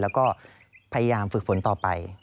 แล้วก็พยายามฝึกฝนต่อไป